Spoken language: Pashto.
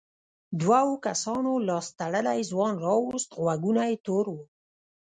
دوو کسانو لاس تړلی ځوان راووست غوږونه یې تور وو.